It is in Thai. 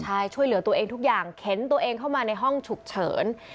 ใช่ช่วยเหลือตัวเองทุกอย่างเข็นตัวเองเข้ามาในห้องฉุกเฉิน